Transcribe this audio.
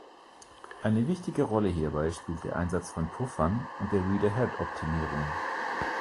Eine wichtige Rolle hierbei spielt der Einsatz von Puffern und der Read-Ahead-Optimierung.